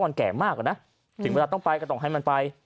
มันแก่มากอะนะถึงเวลาต้องไปก็ต้องให้มันไป